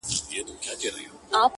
گراني زر واره درتا ځار سمه زه!!